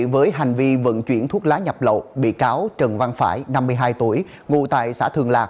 với hành vi vận chuyển thuốc lá nhập lậu bị cáo trần văn phải năm mươi hai tuổi ngụ tại xã thường lạc